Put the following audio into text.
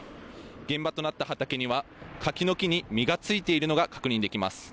現場となった畑には柿の木に実がついているのが確認できます。